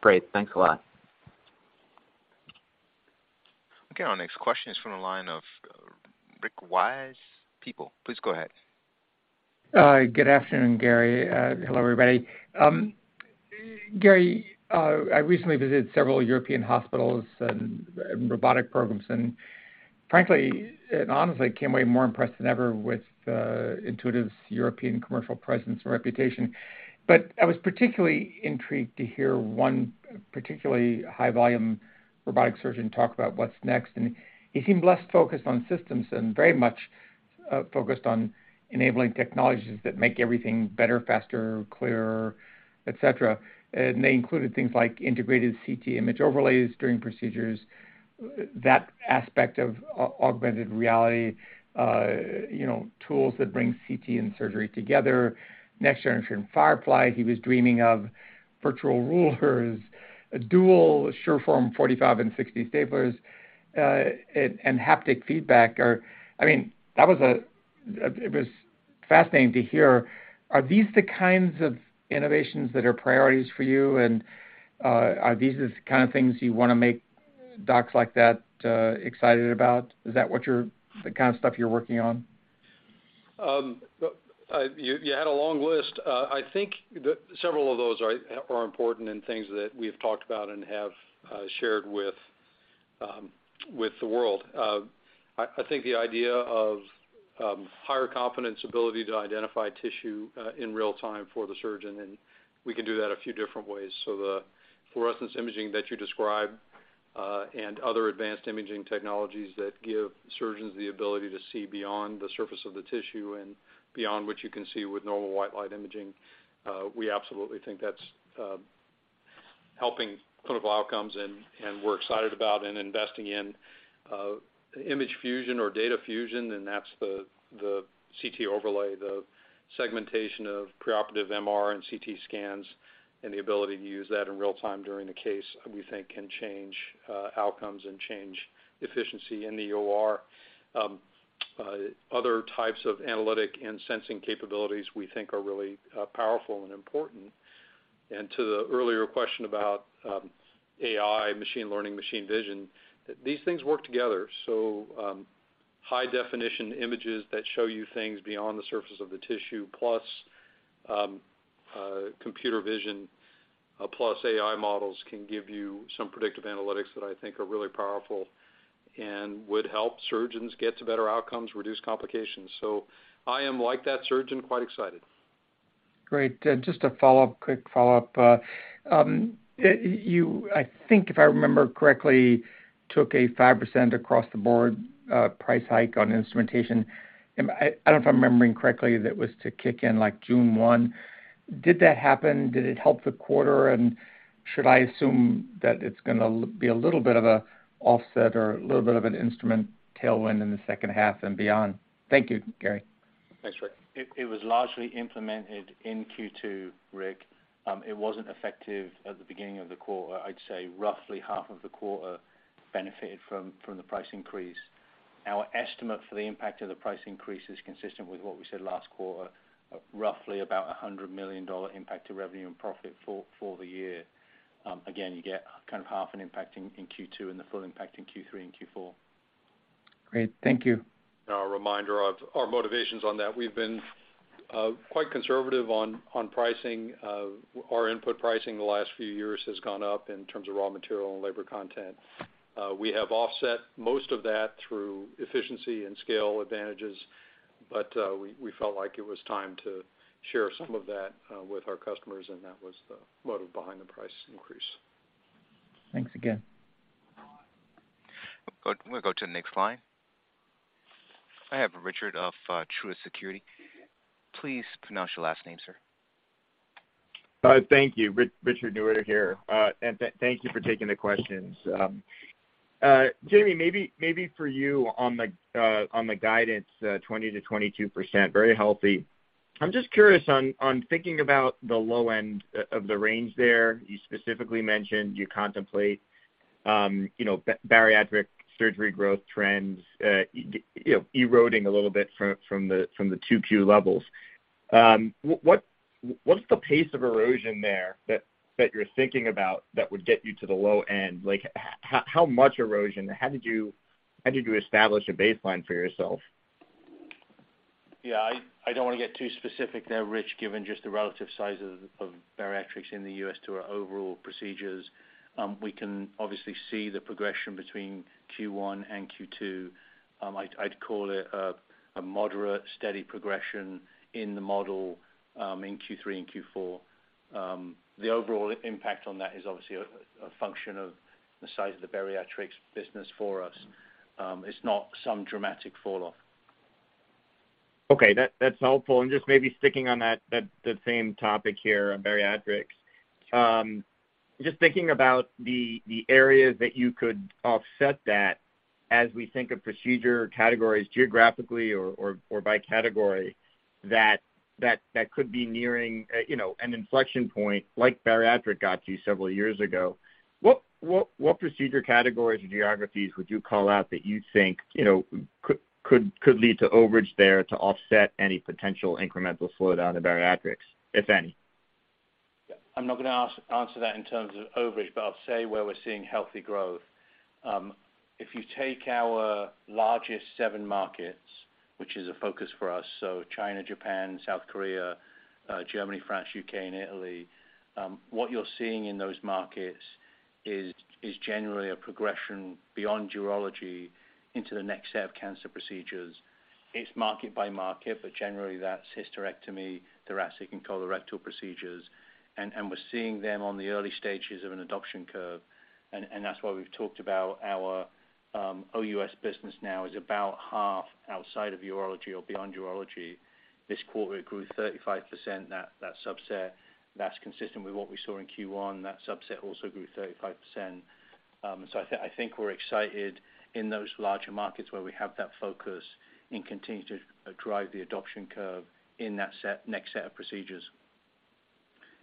Great. Thanks a lot. Our next question is from the line of Rick Wise, Stifel. Please go ahead. Good afternoon, Gary. Hello, everybody. Gary, I recently visited several European hospitals and robotic programs, frankly, and honestly, I came away more impressed than ever with Intuitive's European commercial presence and reputation. I was particularly intrigued to hear one particularly high volume robotic surgeon talk about what's next, and he seemed less focused on systems and very much focused on enabling technologies that make everything better, faster, clearer, et cetera. They included things like integrated CT image overlays during procedures, that aspect of augmented reality, you know, tools that bring CT and surgery together. Next generation Firefly. He was dreaming of virtual rulers, dual SureForm, 45 and 60 staplers, and haptic feedback. I mean, that was it was fascinating to hear. Are these the kinds of innovations that are priorities for you? Are these the kind of things you want to make docs like that, excited about? Is that what the kind of stuff you're working on? You had a long list. I think that several of those are important and things that we've talked about and have shared with the world. I think the idea of higher confidence ability to identify tissue in real time for the surgeon, and we can do that a few different ways. The fluorescence imaging that you described, and other advanced imaging technologies that give surgeons the ability to see beyond the surface of the tissue and beyond what you can see with normal white light imaging, we absolutely think that's helping clinical outcomes, and we're excited about and investing in image fusion or data fusion, and that's the CT overlay, the segmentation of preoperative MR and CT scans, and the ability to use that in real time during a case, we think can change outcomes and change efficiency in the OR. Other types of analytic and sensing capabilities we think are really powerful and important. And to the earlier question about AI, machine learning, machine vision, these things work together. High definition images that show you things beyond the surface of the tissue, plus computer vision, plus AI models, can give you some predictive analytics that I think are really powerful and would help surgeons get to better outcomes, reduce complications. I am like that surgeon, quite excited. Great. Just a follow-up, quick follow-up. You I think, if I remember correctly, took a 5% across-the-board price hike on instrumentation. I don't know if I'm remembering correctly, that was to kick in, like, June 1. Did that happen? Did it help the quarter? Should I assume that it's gonna be a little bit of a offset or a little bit of an instrument tailwind in the second half and beyond? Thank you, Gary. Thanks, Rick. It was largely implemented in Q2, Rick. It wasn't effective at the beginning of the quarter. I'd say roughly half of the quarter benefited from the price increase. Our estimate for the impact of the price increase is consistent with what we said last quarter, roughly about $100 million impact to revenue and profit for the year. Again, you get kind of half an impact in Q2 and the full impact in Q3 and Q4. Great. Thank you. A reminder of our motivations on that. We've been quite conservative on pricing. Our input pricing the last few years has gone up in terms of raw material and labor content. We have offset most of that through efficiency and scale advantages, but we felt like it was time to share some of that with our customers, and that was the motive behind the price increase. Thanks again. We'll go to next line. I have Richard of Truist Securities. Please pronounce your last name, sir. Thank you. Richard Newitter here. Thank you for taking the questions. Jamie, maybe for you on the guidance, 20%-22%, very healthy. I'm just curious on thinking about the low end of the range there. You specifically mentioned you contemplate, you know, bariatric surgery growth trends, you know, eroding a little bit from the 2Q levels. What's the pace of erosion there that you're thinking about that would get you to the low end? Like, how much erosion? How did you establish a baseline for yourself? Yeah, I don't want to get too specific there, Rich, given just the relative size of bariatrics in the US to our overall procedures. We can obviously see the progression between Q1 and Q2. I'd call it a moderate, steady progression in the model, in Q3 and Q4. The overall impact on that is obviously a function of the size of the bariatrics business for us. It's not some dramatic falloff. Okay, that's helpful. Just maybe sticking on that same topic here on bariatrics. Just thinking about the areas that you could offset that as we think of procedure categories geographically or by category, that could be nearing, you know, an inflection point like bariatric got you several years ago. What procedure categories or geographies would you call out that you think, you know, could lead to overage there to offset any potential incremental slowdown in bariatrics, if any? Yeah, I'm not going to answer that in terms of overage, but I'll say where we're seeing healthy growth. If you take our largest 7 markets, which is a focus for us. China, Japan, South Korea, Germany, France, UK, and Italy. What you're seeing in those markets is generally a progression beyond urology into the next set of cancer procedures. It's market by market, but generally, that's hysterectomy, thoracic, and colorectal procedures. We're seeing them on the early stages of an adoption curve, and that's why we've talked about our OUS business now is about half outside of urology or beyond urology. This quarter, it grew 35%, that subset. That's consistent with what we saw in Q1. That subset also grew 35%. I think we're excited in those larger markets where we have that focus and continue to drive the adoption curve in that next set of procedures.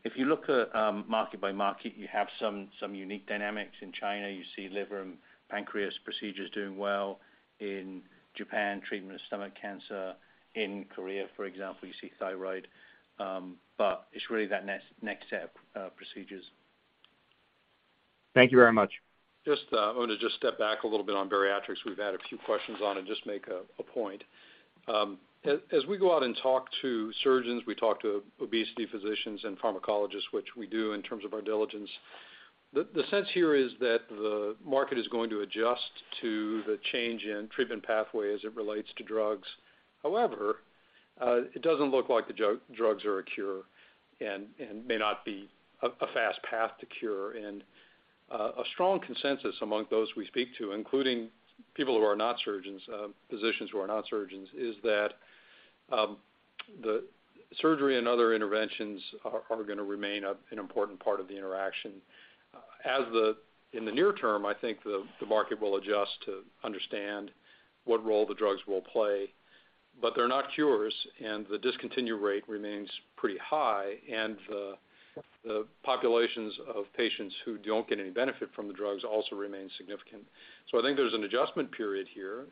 If you look at market by market, you have some unique dynamics. In China, you see liver and pancreas procedures doing well. In Japan, treatment of stomach cancer. In Korea, for example, you see thyroid, but it's really that next set of procedures. Thank you very much. Just, I want to just step back a little bit on bariatrics. We've had a few questions on and just make a point. As we go out and talk to surgeons, we talk to obesity physicians and pharmacologists, which we do in terms of our diligence, the sense here is that the market is going to adjust to the change in treatment pathway as it relates to drugs. However, it doesn't look like the drugs are a cure and may not be a fast path to cure. A strong consensus among those we speak to, including people who are not surgeons, physicians who are not surgeons, is that the surgery and other interventions are going to remain an important part of the interaction. As the. In the near term, I think the market will adjust to understand what role the drugs will play. They're not cures, the discontinue rate remains pretty high, the populations of patients who don't get any benefit from the drugs also remain significant. I think there's an adjustment period here,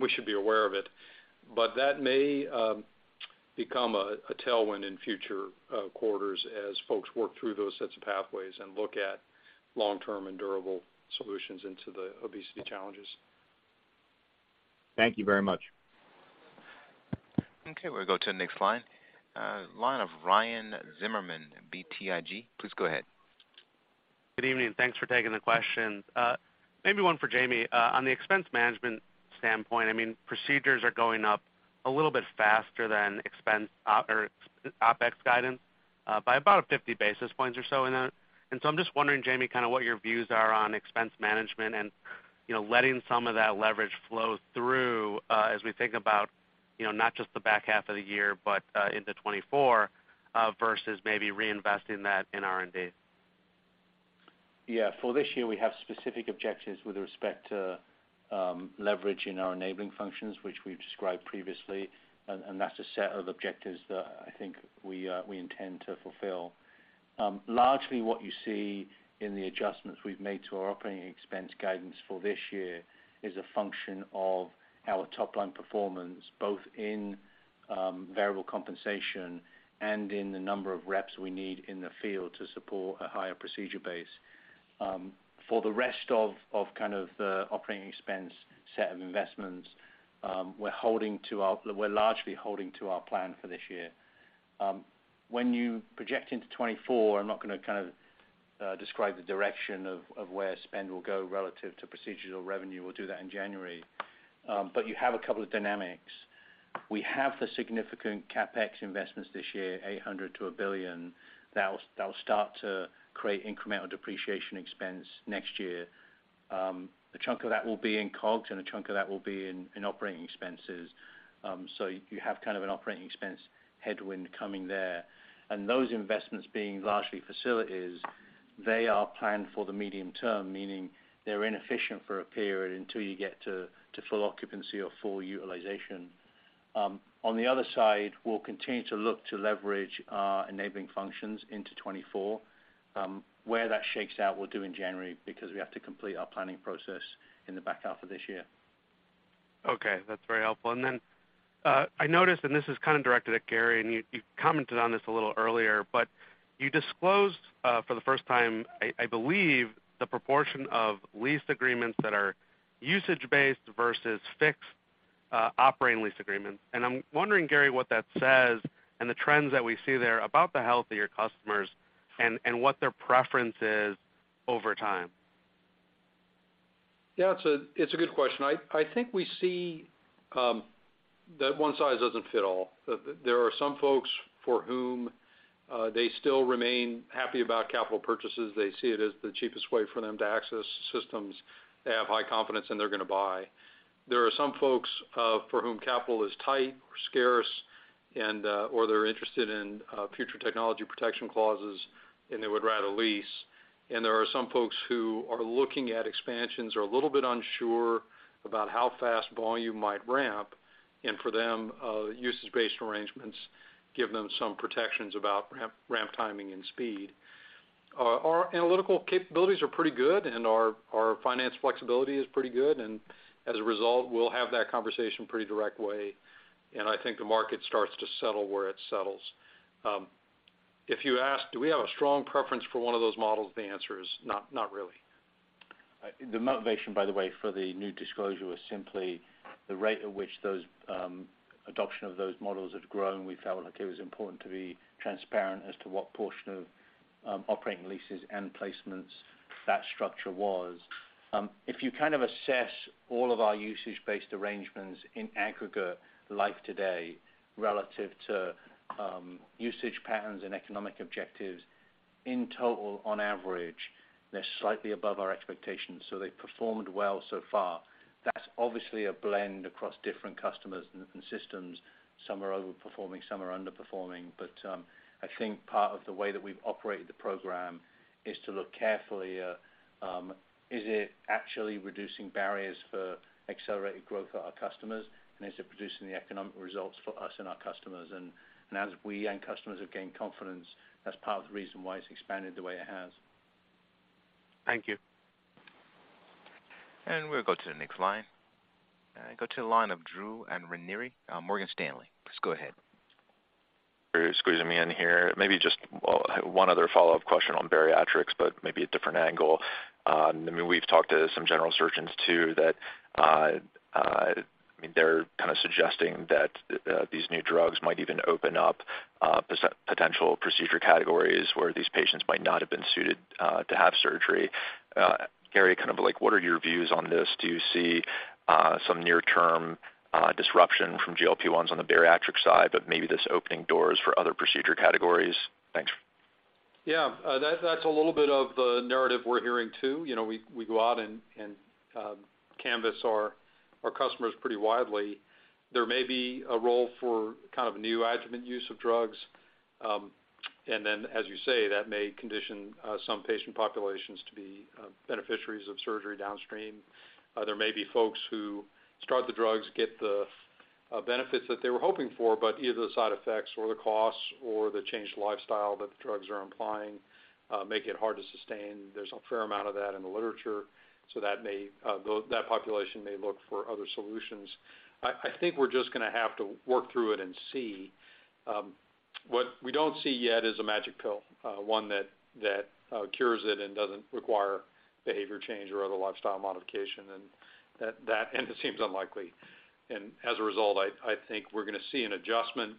we should be aware of it, that may become a tailwind in future quarters as folks work through those sets of pathways and look at long-term and durable solutions into the obesity challenges. Thank you very much. Okay, we'll go to the next line. Line of Ryan Zimmerman, BTIG. Please go ahead. Good evening. Thanks for taking the questions. Maybe one for Jamie. On the expense management standpoint, I mean, procedures are going up a little bit faster than OpEx guidance, by about 50 basis points or so in the... I'm just wondering, Jamie, kind of what your views are on expense management and, you know, letting some of that leverage flow through, as we think about, you know, not just the back half of the year, but into 2024, versus maybe reinvesting that in R&D? Yeah. For this year, we have specific objectives with respect to leverage in our enabling functions, which we've described previously, and that's a set of objectives that I think we intend to fulfill. Largely what you see in the adjustments we've made to our operating expense guidance for this year is a function of our top line performance, both in variable compensation and in the number of reps we need in the field to support a higher procedure base. For the rest of kind of the operating expense set of investments, we're largely holding to our plan for this year. When you project into 2024, I'm not going to kind of describe the direction of where spend will go relative to procedural revenue. We'll do that in January. You have a couple of dynamics. We have the significant CapEx investments this year, $800 million-$1 billion. That'll start to create incremental depreciation expense next year. A chunk of that will be in COGS, and a chunk of that will be in operating expenses. You have kind of an operating expense headwind coming there. Those investments being largely facilities, they are planned for the medium term, meaning they're inefficient for a period until you get to full occupancy or full utilization. On the other side, we'll continue to look to leverage our enabling functions into 2024. Where that shakes out, we'll do in January because we have to complete our planning process in the back half of this year. Okay. That's very helpful. I noticed, and this is kind of directed at Gary, you commented on this a little earlier, but you disclosed for the first time, I believe, the proportion of lease agreements that are usage-based versus fixed operating lease agreements. I'm wondering, Gary, what that says and the trends that we see there about the health of your customers and what their preference is over time? Yeah, it's a good question. I think we see that one size doesn't fit all. There are some folks for whom they still remain happy about capital purchases. They see it as the cheapest way for them to access systems. They have high confidence, and they're going to buy. There are some folks for whom capital is tight or scarce, or they're interested in future technology protection clauses, and they would rather lease. There are some folks who are looking at expansions, are a little bit unsure about how fast volume might ramp, and for them, usage-based arrangements give them some protections about ramp timing and speed. Our analytical capabilities are pretty good, and our finance flexibility is pretty good, and as a result, we'll have that conversation pretty direct way, and I think the market starts to settle where it settles. If you ask, do we have a strong preference for one of those models? The answer is not really. The motivation, by the way, for the new disclosure was simply the rate at which those, adoption of those models had grown. We felt like it was important to be transparent as to what portion of, operating leases and placements that structure was. If you kind of assess all of our usage-based arrangements in aggregate life today, relative to, usage patterns and economic objectives, in total, on average, they're slightly above our expectations, so they've performed well so far. That's obviously a blend across different customers and systems. Some are overperforming, some are underperforming, but, I think part of the way that we've operated the program is to look carefully at, is it actually reducing barriers for accelerated growth for our customers? Is it producing the economic results for us and our customers? And as we and customers have gained confidence, that's part of the reason why it's expanded the way it has. Thank you. We'll go to the next line. Go to the line of Drew Ranieri, Morgan Stanley. Please go ahead. You're squeezing me in here. Maybe just one other follow-up question on bariatrics, but maybe a different angle. I mean, we've talked to some general surgeons, too, that, I mean, they're kind of suggesting that, these new drugs might even open up, potential procedure categories where these patients might not have been suited to have surgery. Gary, kind of, like, what are your views on this? Do you see some near-term disruption from GLP-1s on the bariatric side, but maybe this opening doors for other procedure categories? Thanks. Yeah, that's a little bit of the narrative we're hearing, too. You know, we go out and canvas our customers pretty widely. There may be a role for kind of a neoadjuvant use of drugs, and then, as you say, that may condition some patient populations to be beneficiaries of surgery downstream. There may be folks who start the drugs, get the benefits that they were hoping for, but either the side effects or the costs or the changed lifestyle that the drugs are implying, make it hard to sustain. There's a fair amount of that in the literature, so that may that population may look for other solutions. I think we're just gonna have to work through it and see. What we don't see yet is a magic pill, one that cures it and doesn't require behavior change or other lifestyle modification, and that and it seems unlikely. As a result, I think we're gonna see an adjustment.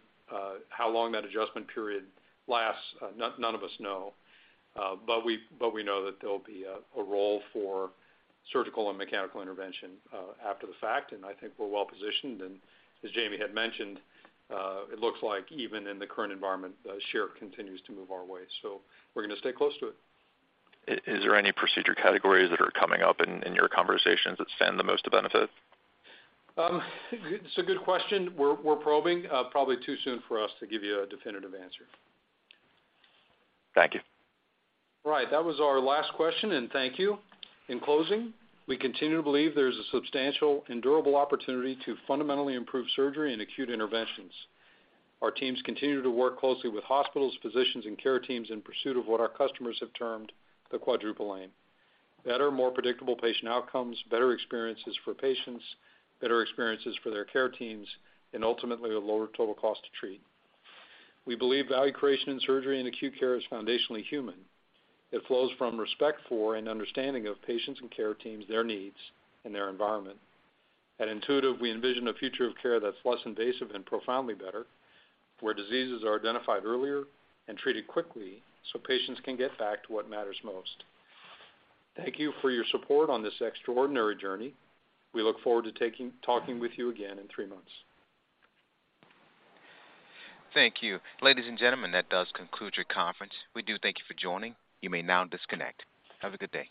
How long that adjustment period lasts, none of us know. We know that there'll be a role for surgical and mechanical intervention, after the fact, and I think we're well positioned. As Jamie had mentioned, it looks like even in the current environment, share continues to move our way, so we're gonna stay close to it. Is there any procedure categories that are coming up in your conversations that stand the most to benefit? It's a good question. We're probing. Probably too soon for us to give you a definitive answer. Thank you. That was our last question, and thank you. In closing, we continue to believe there's a substantial and durable opportunity to fundamentally improve surgery and acute interventions. Our teams continue to work closely with hospitals, physicians, and care teams in pursuit of what our customers have termed the Quadruple Aim: better, more predictable patient outcomes, better experiences for patients, better experiences for their care teams, and ultimately, a lower total cost to treat. We believe value creation in surgery and acute care is foundationally human. It flows from respect for and understanding of patients and care teams, their needs and their environment. At Intuitive, we envision a future of care that's less invasive and profoundly better, where diseases are identified earlier and treated quickly, so patients can get back to what matters most. Thank you for your support on this extraordinary journey. We look forward to talking with you again in three months. Thank you. Ladies and gentlemen, that does conclude your conference. We do thank you for joining. You may now disconnect. Have a good day.